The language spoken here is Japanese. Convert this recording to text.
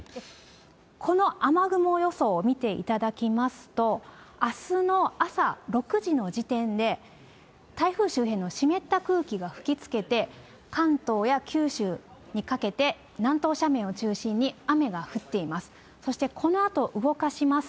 この雨雲予想を見ていただきますと、あすの朝６時の時点で、台風周辺の湿った空気が吹きつけて、関東や九州にかけて、南東斜面を中心に、雨が降っています。